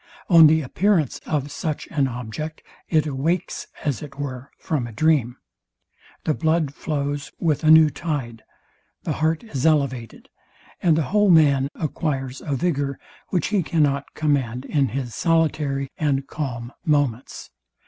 On the appearance of such an object it awakes, as it were, from a dream: The blood flows with a new tide: The heart is elevated: And the whole man acquires a vigour, which he cannot command in his solitary and calm moments.